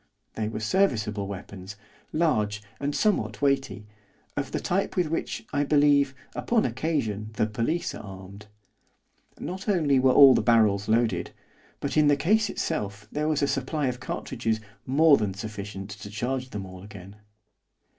They were serviceable weapons, large, and somewhat weighty, of the type with which, I believe, upon occasion the police are armed. Not only were all the barrels loaded, but, in the case itself there was a supply of cartridges more than sufficient to charge them all again.